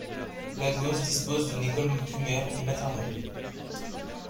Lagos dispose d'une école primaire et maternelle.